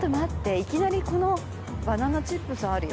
「いきなりこのバナナチップスあるよ」